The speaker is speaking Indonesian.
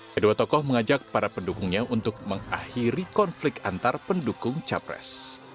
kedua tokoh mengajak para pendukungnya untuk mengakhiri konflik antar pendukung capres